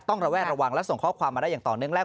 ระแวดระวังและส่งข้อความมาได้อย่างต่อเนื่องแรก